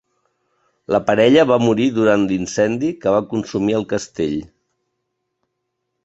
La parella va morir durant l'incendi que va consumir el castell.